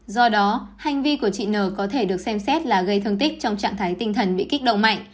do đó hành vi của chị n có thể được xem xét là gây thương tích trong trạng thái tinh thần bị kích động mạnh